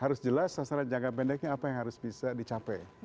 harus jelas sasaran jangka pendeknya apa yang harus bisa dicapai